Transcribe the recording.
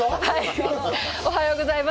おはようございます。